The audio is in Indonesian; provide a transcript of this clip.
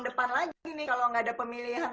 depan lagi nih kalau nggak ada pemilihan